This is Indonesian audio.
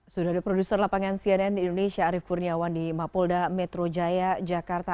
sudah ada produser lapangan cnn indonesia arief kurniawan di mapolda metro jaya jakarta